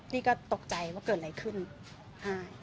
พี่ก็ตกใจว่าเกิดอะไรขึ้นใช่